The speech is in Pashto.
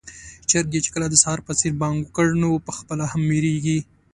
چرګ چې کله د سهار په څېر بانګ وکړي، نو پخپله هم وېريږي.